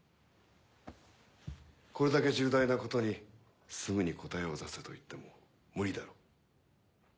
これだけ重大なことにすぐに答えを出せといっても無理だろう。